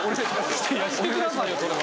いやしてくださいよそれは。